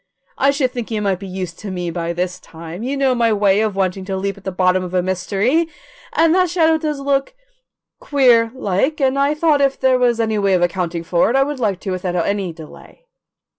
"I should think you might be used to me by this time. You know my way of wanting to leap to the bottom of a mystery, and that shadow does look queer, like and I thought if there was any way of accounting for it I would like to without any delay."